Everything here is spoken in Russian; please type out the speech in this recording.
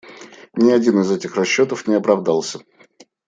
Ни один из этих расчетов не оправдался.